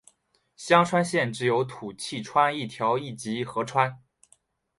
香川县只有土器川一条一级河川。